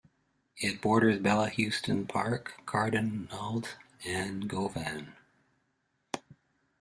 It borders Bellahouston Park, Cardonald and Govan.